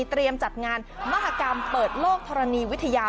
ต้องเตรียมจัดงานมหากรรมเปิดโลกธรณีวิทยา